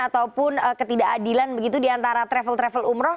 ataupun ketidakadilan di antara trekor trekor umroh